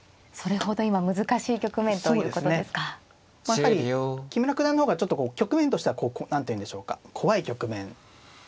やはり木村九段の方がちょっとこう局面としては何ていうんでしょうか怖い局面ですかね。